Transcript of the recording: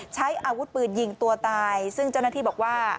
ใช้อาวุธปืนยิงตัวตายซึ่งเจ้าหน้าที่บอกว่า